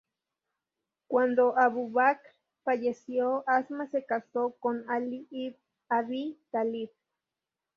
Cuando Abu Bakr falleció, Asma se casó con Ali Ibn Abi Tálib.